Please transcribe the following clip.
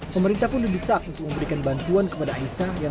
pemerintah pun didesak untuk memberikan bantuan kepada aisyah